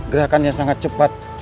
gerakannya sangat cepat